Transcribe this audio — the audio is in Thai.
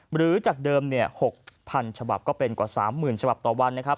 หรือจากเดิม๖๐๐๐ฉบับก็เป็นกว่า๓๐๐๐ฉบับต่อวันนะครับ